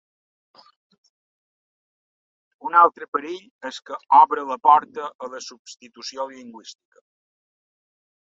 Un altre perill és que obre la porta a la substitució lingüística.